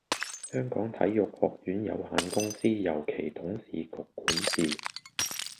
香港體育學院有限公司由其董事局管治